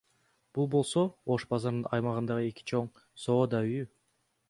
Бул болсо Ош базарынын аймагындагы эки чоң соода үйү.